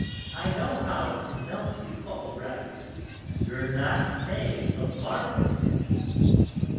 I know how to melt you, all right. You're not made of marble."